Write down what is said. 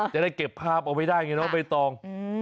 จะได้เก็บภาพเอาไว้ได้ไงน้องใบตอง